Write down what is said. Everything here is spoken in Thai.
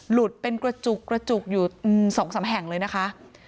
หลุดเป็นกระจุกกระจุกอยู่๒๓แห่งเลยนะคะ